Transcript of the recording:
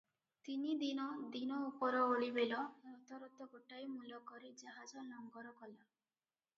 ତିନିଦିନ ଦିନ ଓପରଓଳି ବେଳ ରତରତ ଗୋଟାଏ ମୁଲକରେ ଜାହାଜ ଲଙ୍ଗର କଲା ।